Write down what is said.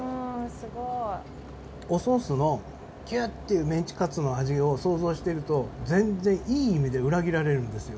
すごい。おソースのギュッていうメンチカツの味を想像してると全然いい意味で裏切られるんですよ。